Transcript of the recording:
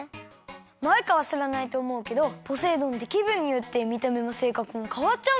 マイカはしらないとおもうけどポセイ丼ってきぶんによってみためもせいかくもかわっちゃうんだよ。